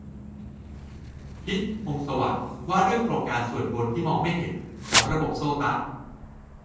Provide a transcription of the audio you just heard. พิชญ์ พงษ์สวัสดิ์ : ว่าด้วยโครงสร้างส่วนบน ที่มองไม่เห็น ของระบบโซตัส